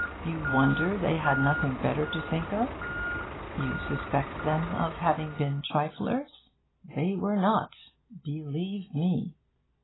You wonder they had nothing better to think of? You suspect them of having been triflers? They were not, believe me.